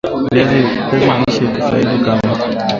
Viazi lishe hustahimili ukame